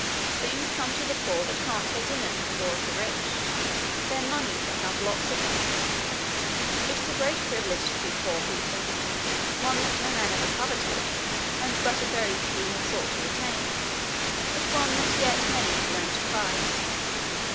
Things come to the poor that can't get in at the door of the rich. Their money somehow blocks it up. It is a great privilege to be poor, Peter one that no man ever coveted, and but a very few have sought to retain, but one that yet many have learned to prize.